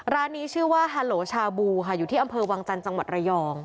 ร้านนี้ชื่อว่าฮาโหลชาบูค่ะอยู่ที่อำเภอวังจันทร์จังหวัดระยอง